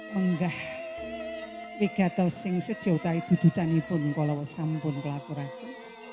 menggah wigatau sing sejauh tai dududani pun kola wasampun kelaturake